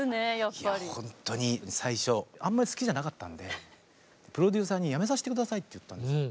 いやほんとに最初あんまり好きじゃなかったんでプロデューサーに辞めさせて下さいって言ったんです。